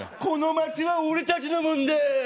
この街は俺たちのもんだ！